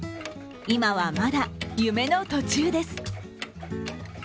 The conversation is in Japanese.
今はまだ夢の途中です。